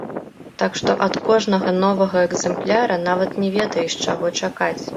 Так што ад кожнага новага экзэмпляра нават не ведаеш, чаго чакаць.